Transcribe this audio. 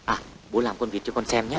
à bố làm con vịt cho con xem nhé